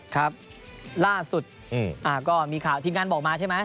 ครับล่าสุดก็มีข่าวทีมงานบอกมาใช่ไหม